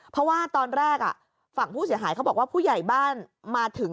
เพราะว่าตอนแรกฝั่งผู้เสียหายเขาบอกว่าผู้ใหญ่บ้านมาถึง